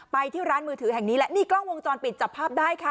ที่ร้านมือถือแห่งนี้แหละนี่กล้องวงจรปิดจับภาพได้ค่ะ